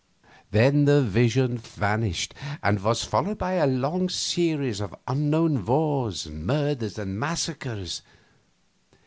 Then the vision vanished, and was followed by a long series of unknown wars, murders, and massacres.